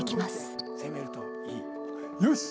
よし。